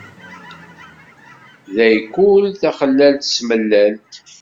Day kul taxellalt s tmellalt?